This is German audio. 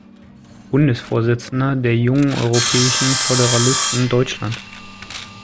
Bundesvorsitzender der „Jungen Europäischen Föderalisten Deutschland“.